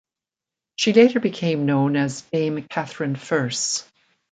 She later became known as Dame Katharine Furse.